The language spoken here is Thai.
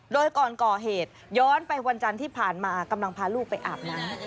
โดยก่อนก่อเหตุย้อนไปวันจันทร์ที่ผ่านมากำลังพาลูกไปอาบน้ำ